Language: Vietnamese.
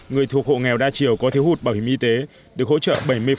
người thuộc hộ nghèo đa chiều có thiếu hụt bảo hiểm y tế được hỗ trợ bảy mươi